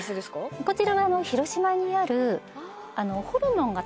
こちらは広島にある。